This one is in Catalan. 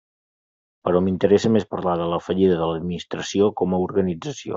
Però m'interessa més parlar de la fallida de l'administració com a organització.